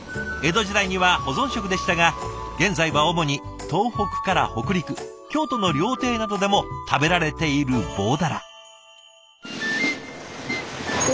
江戸時代には保存食でしたが現在は主に東北から北陸京都の料亭などでも食べられている棒鱈。